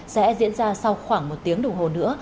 sẽ diễn ra sau khoảng một tiếng đồng hồ nữa